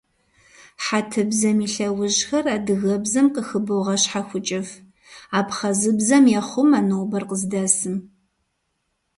Хьэтыбзэм и лъэужьхэр адыгэбзэм къыхыбогъэщхьэхукӀыф, абхъазыбзэм ехъумэ нобэр къыздэсым.